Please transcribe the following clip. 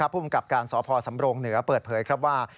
ผู้จัดการสพสำรงค์เหนือเปิดเผยว่า